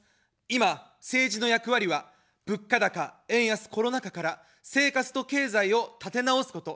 今、政治の役割は物価高、円安、コロナ禍から生活と経済を立て直すこと。